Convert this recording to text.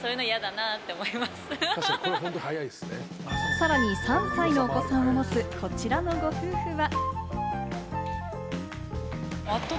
さらに３歳のお子さんを持つ、こちらのご夫婦は。